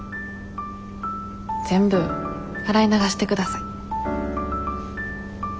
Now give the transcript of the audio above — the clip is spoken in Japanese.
全部洗い流して下さい。